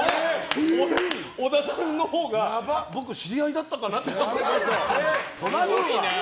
織田さんのほうが僕、知り合いだったかな？